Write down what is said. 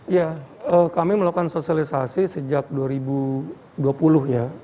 ya kami melakukan sosialisasi sejak dua ribu dua puluh ya